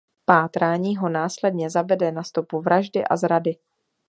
Pátrání ho následně zavede na stopu vraždy a zrady.